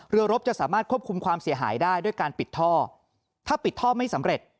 รบจะสามารถควบคุมความเสียหายได้ด้วยการปิดท่อถ้าปิดท่อไม่สำเร็จ